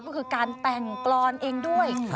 ก็คือการแต่งกรอนเองด้วย